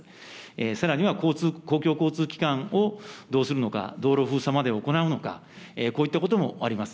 さらには交通、公共交通機関をどうするのか、道路封鎖まで行うのか、こういったこともあります。